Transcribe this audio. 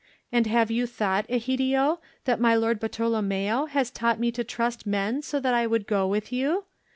And have you thought, Egidio, that my lord Bartolommeo has taught me to trust men so that I would go with you?